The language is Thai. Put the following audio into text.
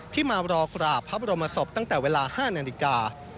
ที่มารอกราบพระบรมศพตั้งแต่เวลา๕นาฬิกา